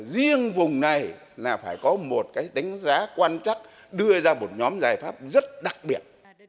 riêng vùng này là phải có một cái đánh giá quan trắc đưa ra một nhóm giải pháp rất đặc biệt